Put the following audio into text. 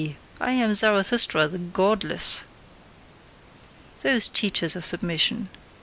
I AM Zarathustra, the godless!" Those teachers of submission!